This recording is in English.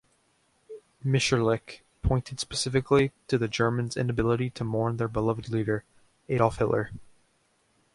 Mitscherlich pointed specifically to the Germans' inability to mourn their beloved leader, Adolf Hitler.